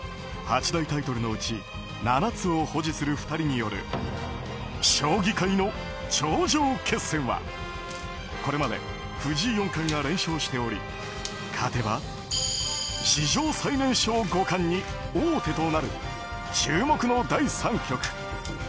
八大タイトルのうち７つを保持する２人による将棋界の頂上決戦はこれまで藤井四冠が連勝しており勝てば史上最年少五冠に王手となる注目の第３局。